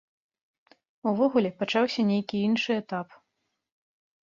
Увогуле, пачаўся нейкі іншы этап.